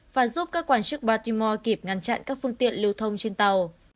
và giúp các quan chức baltimore kịp ngăn chặn các phương tiện lưu thông trên tàu